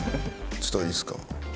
ちょっといいですか？